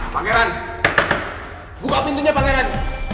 pangeran buka pintunya pangeran